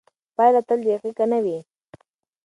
پایله تل دقیقه نه وي.